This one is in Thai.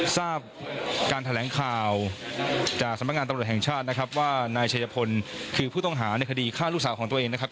ทราบการแถลงข่าวจากสำนักงานตำรวจแห่งชาตินะครับว่านายชัยพลคือผู้ต้องหาในคดีฆ่าลูกสาวของตัวเองนะครับ